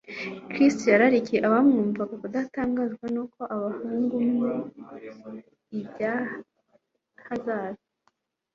Kristo yararikiye abamwumvaga kudatangazwa nuko abahugunye iby'ahazaza.